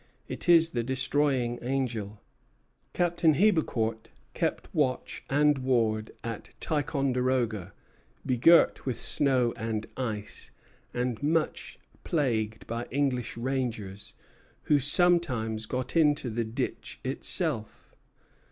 It is the destroying angel." Captain Hebecourt kept watch and ward at Ticonderoga, begirt with snow and ice, and much plagued by English rangers, who sometimes got into the ditch itself.